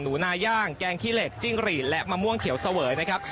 นาย่างแกงขี้เหล็กจิ้งหรีดและมะม่วงเขียวเสวยนะครับ